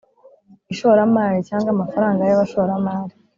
ishoramari cyangwa amafaranga yabashoramari